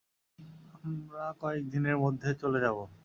আমরা কয়েক দিনের মধ্যে চলে যাব।